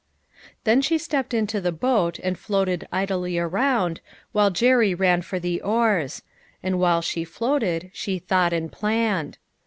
Then she stepped into the boat and floated idly around, while Jerry ran for the oars ; and while she floated, she thought and planned.